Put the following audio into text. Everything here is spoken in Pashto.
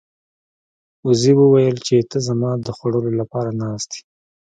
وزې وویل چې ته زما د خوړلو لپاره ناست یې.